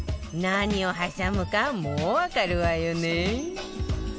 何を挟むかもうわかるわよね？